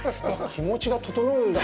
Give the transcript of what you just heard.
気持ちが整うんだ。